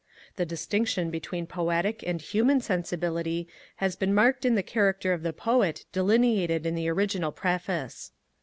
(The distinction between poetic and human sensibility has been marked in the character of the Poet delineated in the original preface.)